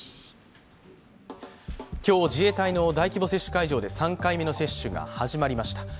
今日、自衛隊の大規模接種会場で３回目の接種が始まりました。